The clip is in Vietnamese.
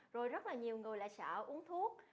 rồi rất là nhiều người lại sợ uống thuốc